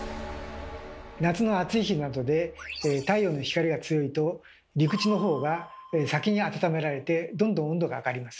夏の暑い日などで太陽の光が強いと陸地のほうが先にあたためられてどんどん温度が上がります。